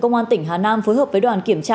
công an tỉnh hà nam phối hợp với đoàn kiểm tra